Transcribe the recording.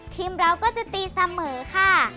ทีมเราก็จะตีเสมอค่ะ